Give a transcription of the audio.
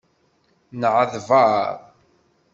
Nɛedbaṛ.